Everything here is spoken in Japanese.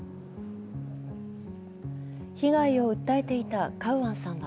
被害を訴えていたカウアンさんは